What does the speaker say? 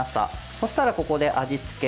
そしたらここで味付け。